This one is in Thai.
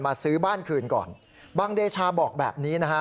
ซื้อบ้านคืนก่อนบางเดชาบอกแบบนี้นะฮะ